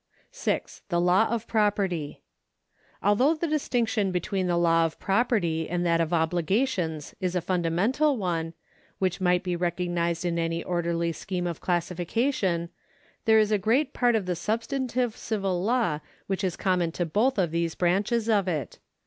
G. The Lata of Property. Although the distinction between the law of property and that of obligations is a fundamental one, which must be recognised in any orderly scheme of classification, there is a great part of the substantive civil law 484 APPENDIX IV which is common to both of those branches of it.